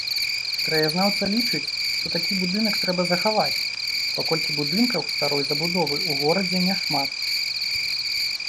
Краязнаўца лічыць, што такі будынак трэба захаваць, паколькі будынкаў старой забудовы ў горадзе няшмат.